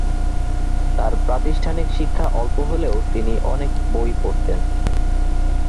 তার প্রাতিষ্ঠানিক শিক্ষা অল্প হলেও তিনি অনেক বই পড়তেন।